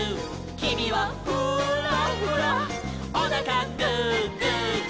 「きみはフーラフラ」「おなかグーグーグー」